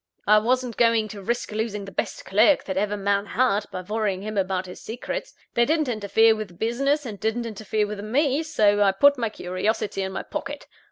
I wasn't going to risk losing the best clerk that ever man had, by worrying him about his secrets. They didn't interfere with business, and didn't interfere with me; so I put my curiosity in my pocket.